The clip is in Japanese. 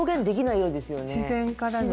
自然からのね。